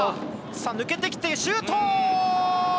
さあ抜けてきてシュート！